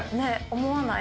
思わない？